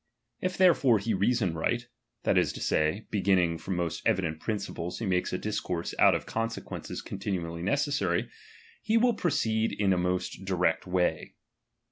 If therefore he reason right, that is to say, begin ning fi om most evident principles he makes a dis course out of consequences continually necessary, he will proceed in a most direct way.